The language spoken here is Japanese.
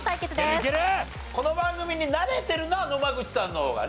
この番組に慣れてるのは野間口さんの方がね。